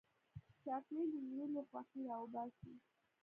چاکلېټ له زړونو خوښي راوباسي.